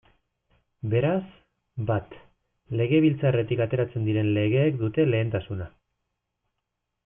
Beraz, bat, Legebiltzarretik ateratzen diren legeek dute lehentasuna.